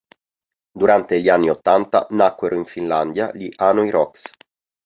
Durante gli anni ottanta nacquero in Finlandia gli Hanoi Rocks.